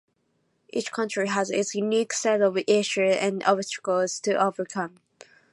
Each country has its unique set of issues and obstacles to overcome.